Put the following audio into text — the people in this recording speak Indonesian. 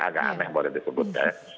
agak aneh boleh disebutkan